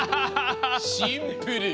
シンプル！